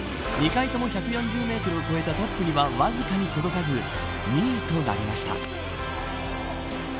２回とも１４０メートルを超えたトップにはわずかに届かず２位となりました。